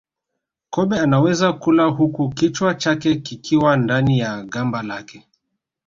Kobe anaweza kula huku kichwa chake kikiwa ndani ya gamba lake